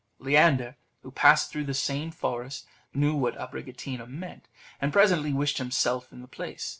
Leander, who passed through the same forest, knew what Abricotina meant, and presently wished himself in the place.